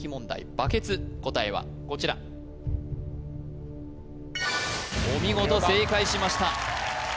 バケツ答えはこちらお見事正解しました